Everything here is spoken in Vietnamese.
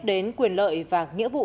đến quyền lợi và nghĩa vụ